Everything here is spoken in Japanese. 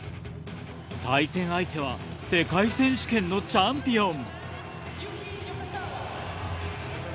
対戦相手は世界選手権のチャンピオン。